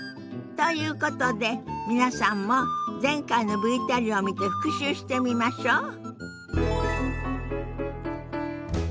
ということで皆さんも前回のＶＴＲを見て復習してみましょ。